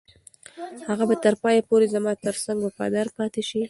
هغه به تر پایه پورې زما تر څنګ وفاداره پاتې شي.